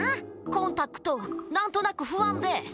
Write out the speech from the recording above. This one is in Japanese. コンタクト何となく不安デス。